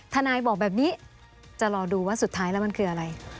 ทนายบอกแบบนี้จะรอดูว่าสุดท้ายแล้วมันคืออะไร